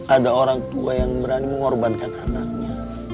ada orang tua yang berani mengorbankan anaknya